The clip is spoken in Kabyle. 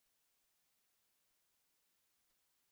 Tanemmirt, lliɣ beṛk reggbeɣ.